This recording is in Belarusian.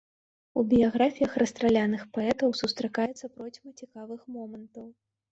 У біяграфіях расстраляных паэтаў сустракаецца процьма цікавых момантаў.